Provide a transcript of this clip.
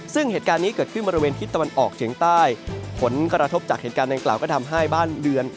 ซึ่งเหตุการณ์นี้เกิดขึ้นบริเวณทิศตะวันออกเฉียงใต้ผลกระทบจากเหตุการณ์ดังกล่าวก็ทำให้บ้านเรือน